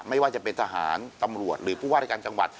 ไม่ว่าจะเป็นทหารตำรวจหรือผู้ว่ารายการจังหวัด